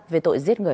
về tội giết người